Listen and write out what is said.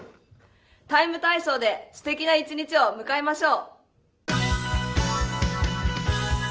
「ＴＩＭＥ，体操」ですてきな一日を迎えましょう。